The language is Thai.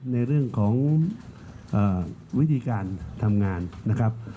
ในเรื่องของวิธีการทำงานนะครับ